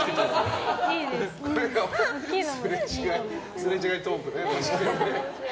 すれ違いトークね、確かに。